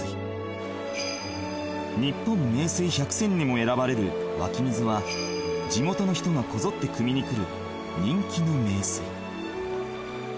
［日本名水百選にも選ばれる湧き水は地元の人がこぞってくみに来る人気の名水］